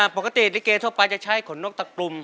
ปกติลิเกทั่วไปจะใช้ขนนกตะกลุ่ม